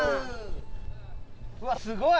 うわすごい。